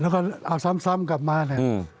แล้วก็เอาซ้ำกลับมาเนี่ย